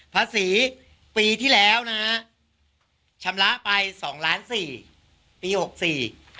ภาษีปีที่แล้วนะฮะชำระไปสองล้านสี่ปีหกสี่